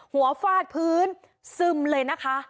ฟาดพื้นซึมเลยนะคะ